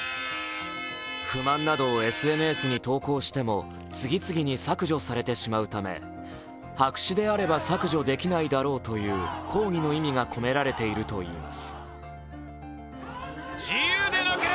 不満などをＳＮＳなどに投稿しても次々に削除されてしまうため白紙であれば削除できないだろうという抗議の意味が込められているといいます。